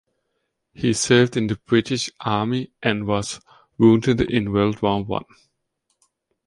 He served in the British Army and was wounded in World War One.